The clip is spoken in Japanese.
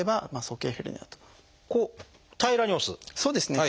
そうですね。